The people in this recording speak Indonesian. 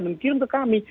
dan kirim ke kami